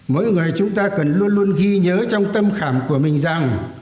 mỗi người chúng ta cần luôn luôn ghi nhớ trong tâm khảm của mình rằng